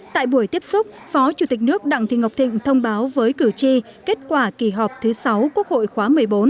tại buổi tiếp xúc phó chủ tịch nước đặng thị ngọc thịnh thông báo với cử tri kết quả kỳ họp thứ sáu quốc hội khóa một mươi bốn